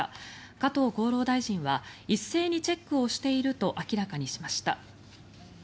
加藤厚労大臣は一斉にチェックをしていると明らかにしました。